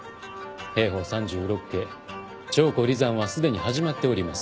『兵法三十六計』「調虎離山」はすでに始まっております。